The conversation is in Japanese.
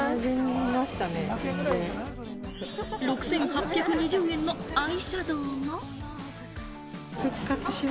６８２０円のアイシャドウも。